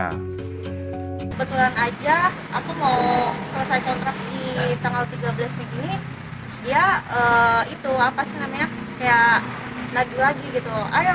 kebetulan aja aku mau selesai kontraksi tanggal tiga belas mei dia itu apa sih namanya kayak maju lagi gitu